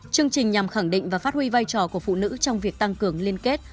chương trình nhằm khẳng định và phát huy vai trò của phụ nữ trong việc tăng cường liên kết